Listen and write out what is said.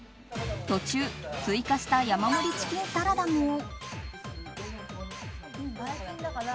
途中、追加した山盛りチキンサラダも。